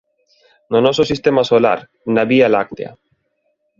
No noso sistema solar. Na Vía Láctea.